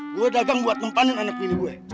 lu dagang buat mempanin anak ini gue